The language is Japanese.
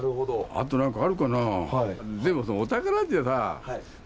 あと何かあるかな。